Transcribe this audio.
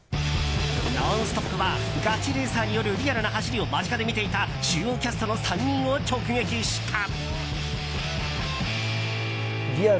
「ノンストップ！」はガチレーサーによるリアルな走りを間近で見ていた主要キャストの３人を直撃した。